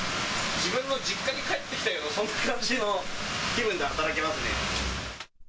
自分の実家に帰ってきたような、そんな感じの気分で働けますね。